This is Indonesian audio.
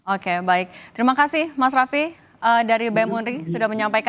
oke baik terima kasih mas raffi dari bem unri sudah menyampaikan